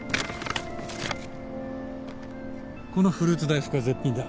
このフルーツ大福は絶品だ。